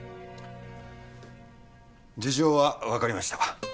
事情はわかりました。